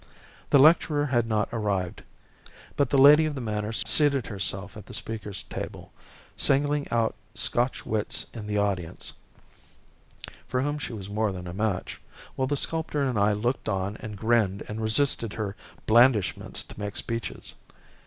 The lecturer had not arrived. But the lady of the manor seated herself at the speaker's table, singling out Scotch wits in the audience for whom she was more than a match while the sculptor and I looked on and grinned and resisted her blandishments to make speeches.